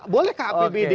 boleh ke apbd